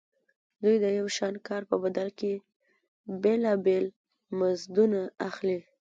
دوی د یو شان کار په بدل کې بېلابېل مزدونه اخلي